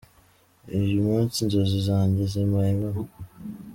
"Uyu munsi inzozi zanjye zibaye impamo.